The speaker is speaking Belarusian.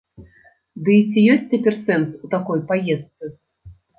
Дый ці ёсць цяпер сэнс у такой паездцы?